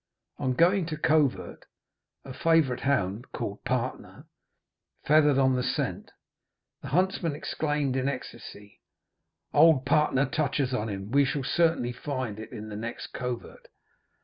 On going to covert, a favourite hound, called Partner, feathered on the scent. The huntsman exclaimed in ecstacy, 'Old Partner touches on him; we shall certainly find in the next covert.'